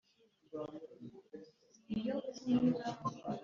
icyiciro cya mbere ibigenerwa abageze mu zabukuru